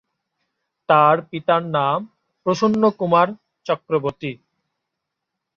তার পিতার নাম প্রসন্নকুমার চক্রবর্তী।